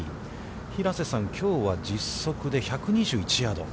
平瀬さん、きょうは実測で１２１ヤード。